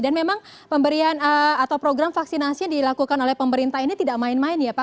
dan memang pemberian atau program vaksinasi yang dilakukan oleh pemerintah ini tidak main main ya pak